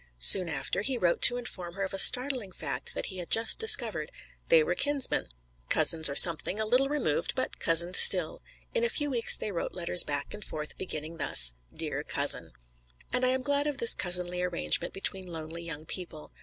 Soon after, he wrote to inform her of a startling fact that he had just discovered: they were kinsmen, cousins or something a little removed, but cousins still. In a few weeks they wrote letters back and forth beginning thus: Dear Cousin. And I am glad of this cousinly arrangement between lonely young people.